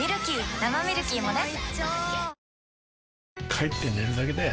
帰って寝るだけだよ